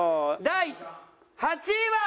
第８位は。